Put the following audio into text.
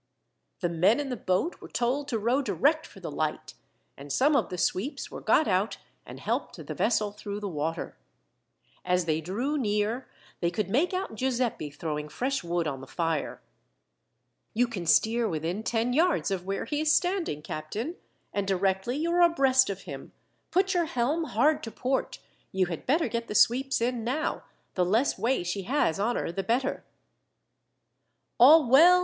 The men in the boat were told to row direct for the light, and some of the sweeps were got out and helped the vessel through the water. As they drew near, they could make out Giuseppi throwing fresh wood on the fire. "You can steer within ten yards of where he is standing, captain, and directly you are abreast of him, put your helm hard to port. You had better get the sweeps in now, the less way she has on her the better." "All well?"